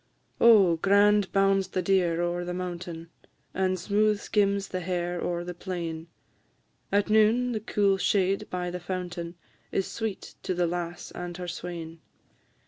"_ Oh, grand bounds the deer o'er the mountain, And smooth skims the hare o'er the plain; At noon, the cool shade by the fountain Is sweet to the lass and her swain.